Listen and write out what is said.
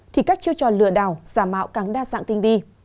thì các chiêu trò lừa đảo giảm ảo càng đa dạng tinh vi